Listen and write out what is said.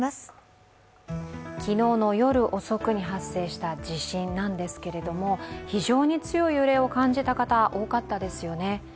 昨日の夜遅くに発生した地震なんですけれども非常に強い揺れを感じた方、多かったですよね。